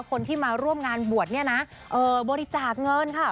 คนที่มาร่วมงานบวชเนี่ยนะบริจาคเงินค่ะ